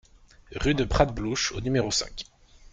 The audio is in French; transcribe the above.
Rue de Prat Blouch au numéro cinq